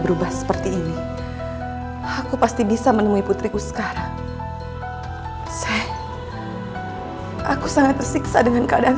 berubah seperti ini aku pasti bisa menemui putriku sekarang sah aku sangat tersiksa dengan keadaan